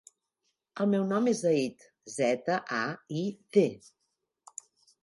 El meu nom és Zaid: zeta, a, i, de.